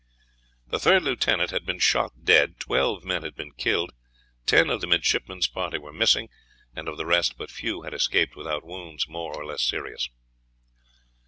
The third lieutenant had been shot dead, twelve men had been killed, ten of the midshipmen's party were missing, and of the rest but few had escaped without wounds more or less serious.